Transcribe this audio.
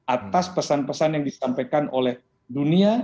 atas pesan pesan yang disampaikan oleh dunia